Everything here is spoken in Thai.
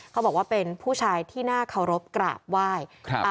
เขาบอกว่าเป็นผู้ชายที่น่าเคารพกราบไหว้